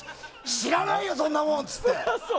知らないよそんなもん！って言って。